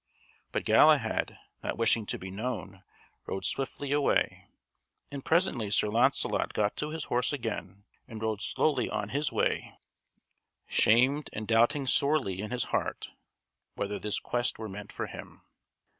But Galahad, not wishing to be known, rode swiftly away; and presently Sir Launcelot got to horse again and rode slowly on his way, shamed and doubting sorely in his heart whether this quest were meant for him.